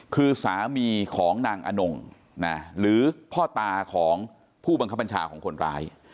คือสามีของนางอนงหรือพ่อตาของผู้บังคับบัญชาของคนร้าย